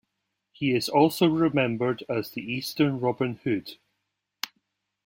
He is also remembered as the eastern Robin Hood.